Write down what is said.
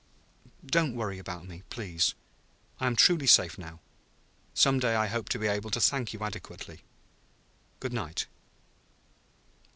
"Don't worry about me, please. I am truly safe now. Some day I hope to be able to thank you adequately. Good night!"